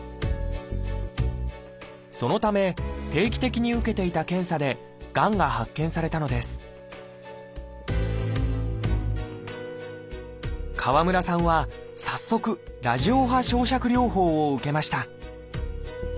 そのため定期的に受けていた検査でがんが発見されたのです川村さんは早速ラジオ波焼灼療法を受けました